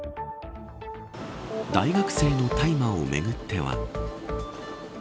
大学生の大麻をめぐっては。